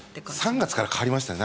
３月から変わりましたね。